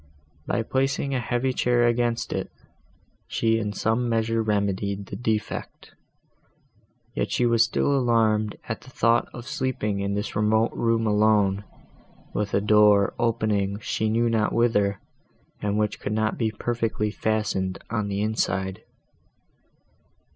By placing a heavy chair against it, she in some measure remedied the defect; yet she was still alarmed at the thought of sleeping in this remote room alone, with a door opening she knew not whither, and which could not be perfectly fastened on the inside.